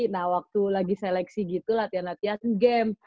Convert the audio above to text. nah waktu lagi seleksi gitu latihan latihan game